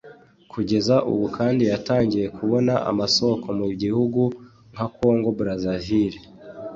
Kugeza ubu kandi yatangiye kubona amasoko mu bihugu nka Congo Brazzaville